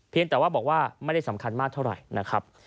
แต่ว่าบอกว่าไม่ได้สำคัญมากเท่าไหร่นะครับ